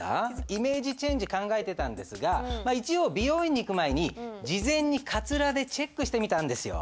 イメージチェンジ考えてたんですが一応美容院に行く前に事前にかつらでチェックしてみたんですよ。